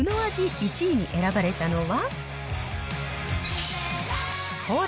１位に選ばれたのは。